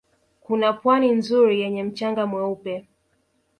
Kuna Pwani nzuri yenye mchanga mweupe